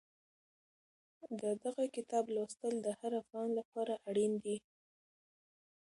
د دغه کتاب لوستل د هر افغان لپاره اړین دي.